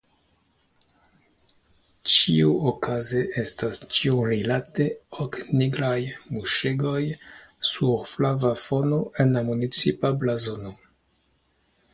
Ĉiuokaze estas tiurilate ok nigraj muŝegoj sur flava fono en la municipa blazono.